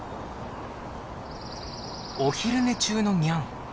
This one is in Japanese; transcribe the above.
お昼寝中のニャン。